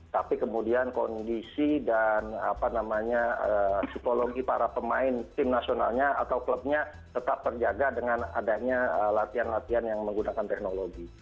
tapi kemudian kondisi dan psikologi para pemain tim nasionalnya atau klubnya tetap terjaga dengan adanya latihan latihan yang menggunakan teknologi